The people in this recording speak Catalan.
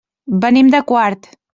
Venim de Quart.